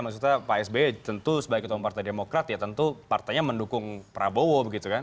maksudnya pak sby tentu sebagai ketua umum partai demokrat ya tentu partainya mendukung prabowo begitu kan